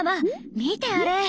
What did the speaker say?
見てあれ。